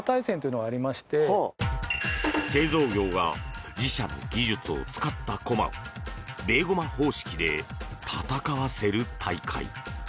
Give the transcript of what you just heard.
製造業が自社の技術を使ったコマをベーゴマ方式で戦わせる大会。